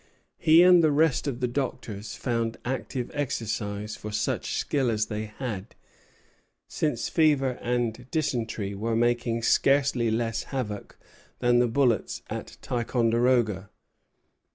He and the rest of the doctors found active exercise for such skill as they had, since fever and dysentery were making scarcely less havoc than the bullets at Ticonderoga.